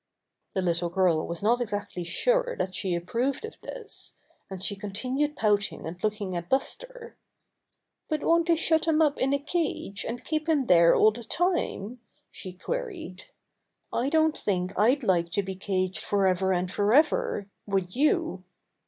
The little girl was not exactly sure that she approved of this, and she continued pouting and looking at Buster. "But won't they shut him up in a cage, and keep him there all the time?" she queried. "I don't think I'd like to be caged forever and forever, would you?"